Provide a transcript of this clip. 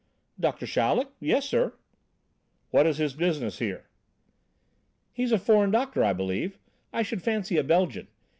"Doctor Chaleck? Yes, sir." "What is his business here?" "He is a foreign doctor, I believe. I should fancy a Belgian.